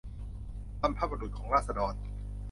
บรรพบุรุษของราษฎร